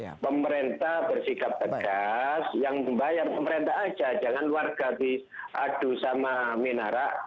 jadi pemerintah bersikap tegas yang membayar pemerintah saja jangan warga diadu sama minara